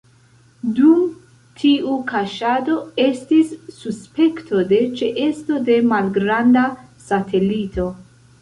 Dum tiu kaŝado, estis suspekto de ĉeesto de malgranda satelito.